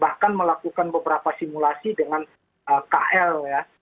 bahkan melakukan beberapa simulasi dengan kl ya